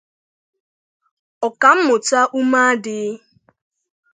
Ọkammụta Umeadị